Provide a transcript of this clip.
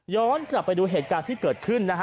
กลับไปดูเหตุการณ์ที่เกิดขึ้นนะฮะ